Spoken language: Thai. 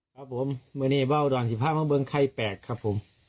ครับผมใบวดอ๒๕ครับเบิร์กไข่แปดคับผม